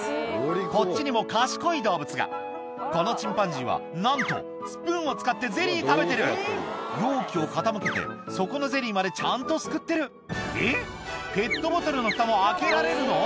こっちにも賢い動物がこのチンパンジーはなんとスプーンを使ってゼリー食べてる容器を傾けて底のゼリーまでちゃんとすくってるえっペットボトルのフタも開けられるの？